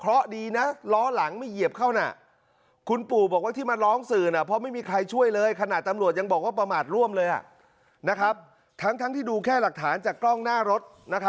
เอ้ยเบ้อยังแย่กว้างล่วมเลยทั้งที่ดูแค่หลักฐานจากกล้องหน้ารถ